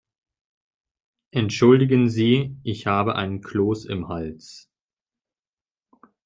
Entschuldigen Sie, ich habe einen Kloß im Hals.